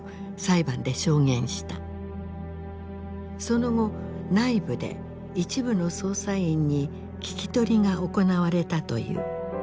その後内部で一部の捜査員に聞き取りが行われたという。